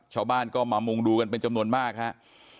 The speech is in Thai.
ชาวบ้านก็มามุงดูกันเป็นจำนวนมากฮะ